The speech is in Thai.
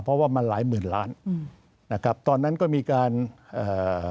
เพราะว่ามันหลายหมื่นล้านอืมนะครับตอนนั้นก็มีการเอ่อ